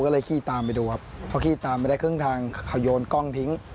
ก็เลยขี้ตามไปดูครับเพราะขี้ตามไปได้ครึ่งทางเขาโยนกล้องทิ้ง